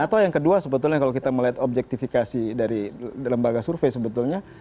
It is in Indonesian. atau yang kedua sebetulnya kalau kita melihat objektifikasi dari lembaga survei sebetulnya